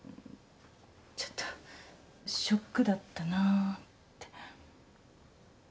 ちょっとショックだったなって。